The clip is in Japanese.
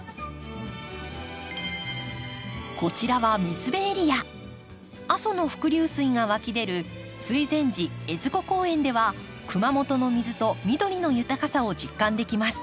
こちらは阿蘇の伏流水が湧き出る水前寺江津湖公園では熊本の水と緑の豊かさを実感できます。